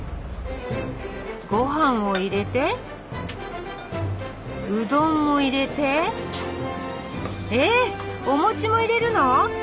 ごはんを入れてうどんも入れてえっお餅も入れるの？